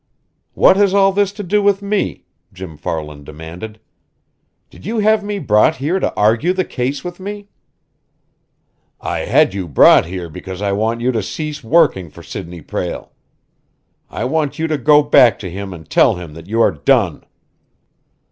"What has all this to do with me?" Jim Farland demanded. "Did you have me brought here to argue the case with me?" "I had you brought here because I want you to cease working for Sidney Prale. I want you to go back to him and tell him that you are done."